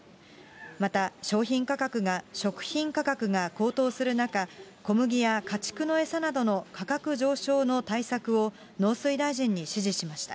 また食品価格が高騰する中、小麦や家畜の餌などの価格上昇の対策を農水大臣に指示しました。